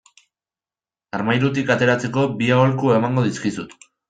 Armairutik ateratzeko bi aholku emango dizkizut.